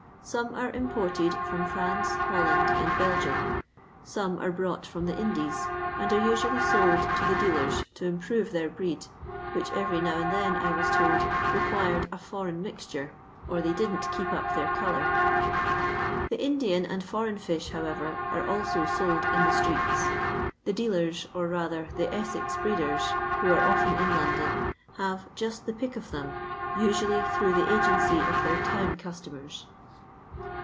Some are imported from France, Holland, and Belgium ; some are brought from the Indies, nnd nre usually sold to the dealers to improve their breed, which every now and then, I was told, " required a foreign mixture, or they didn't keep up their colour." The Indian and foreign fi»h, however, are also sold in the streets ; the dealers, or rather the Essex breeders, who are often in London, have "just the pick of them," usually through the agency of their town customers.